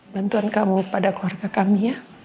bantuan kamu pada keluarga kami ya